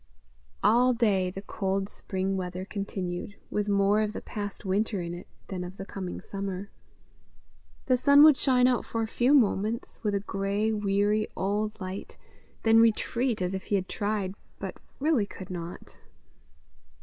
All day the cold spring weather continued, with more of the past winter in it than of the coming summer. The sun would shine out for a few moments, with a grey, weary, old light, then retreat as if he had tried, but really could not.